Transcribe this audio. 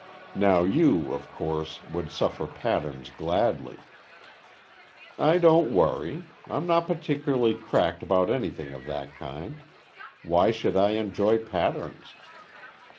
Now you, of course, would suffer patterns gladly.'' " I don't worry. I'm not particularly cracked about anything of that kind. Why should I enjoy patterns.